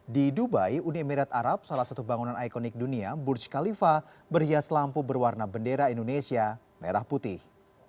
di dubai uni emirat arab salah satu bangunan ikonik dunia burj khalifa berhias lampu berwarna bendera indonesia merah putih